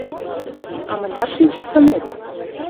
— А мыняр шинчыктынет?